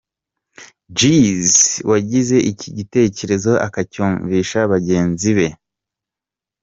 Geedz wagize iki gitekerezo, akacyumvisha bagenzi be.